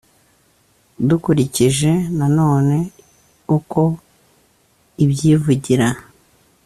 dukurikije nanone uko ibyivugira.